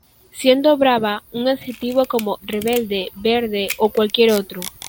Siendo "brava" un adjetivo como "rebelde", "verde" o cualquier otro.